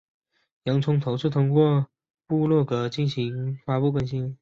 洋葱头是通过部落格进行发布更新。